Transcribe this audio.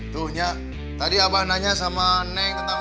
tuh nya tadi abah nanya sama neng tentang